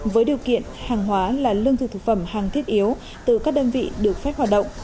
với điều kiện hàng hóa là lương thực thực phẩm hàng thiết yếu từ các đơn vị được phép hoạt động